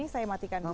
saya matikan dulu